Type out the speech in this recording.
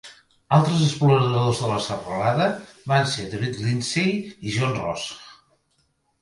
Altres exploradors de la serralada van ser David Lindsay i John Ross.